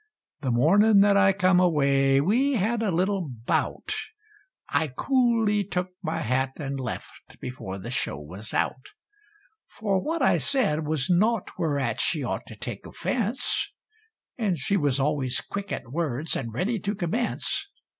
The mornin' that I come away, we had a little bout; I coolly took my hat and left, before the show was out. For what I said was naught whereat she ought to take offense; And she was always quick at words and ready to commence.